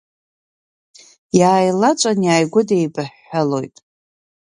Иааилаҵәан иааигәыдибаҳәҳәалоит.